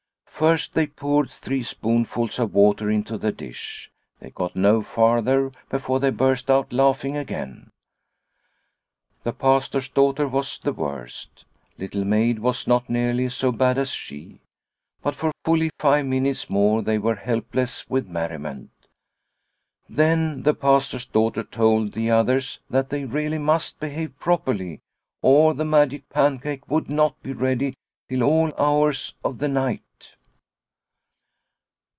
First they poured three spoonfuls of water into the dish. They got no farther before they burst out laughing again. The Pastor's daughter was the worst. Little Maid was not nearly so bad as she. But for fully five minutes more they were helpless with merriment. Then the Pastor's daughter told the others that they really must behave properly or the magic pancake would not be ready till all hours of the night.